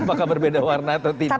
apakah berbeda warna atau tidak